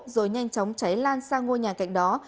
rồi nhanh chóng cháy lan sang ngôi nhà cạnh đó